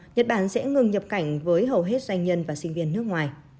nhật bản sẽ ngừng nhập cảnh với hầu hết doanh nhân và sinh viên nước ngoài